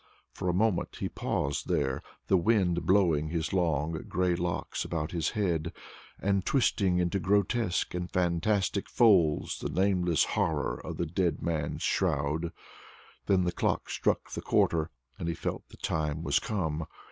For a moment he paused there, the wind blowing his long gray locks about his head, and twisting into grotesque and fantastic folds the nameless horror of the dead man's shroud. Then the clock struck the quarter, and he felt the time was come.